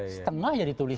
setengah jadi tulis